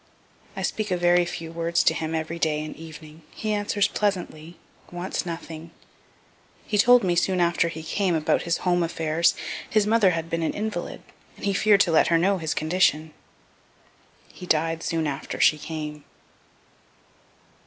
I speak a very few words to him every day and evening he answers pleasantly wants nothing (he told me soon after he came about his home affairs, his mother had been an invalid, and he fear'd to let her know his condition.) He died soon after she came.